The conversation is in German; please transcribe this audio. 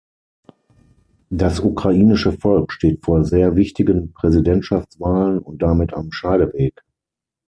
Das ukrainische Volk steht vor sehr wichtigen Präsidentschaftswahlen und damit am Scheideweg.